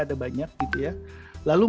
ada banyak gitu ya lalu